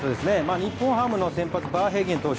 日本ハムの先発バーヘイゲン投手